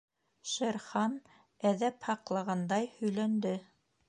— Шер Хан әҙәп һаҡлағандай һөйләнде.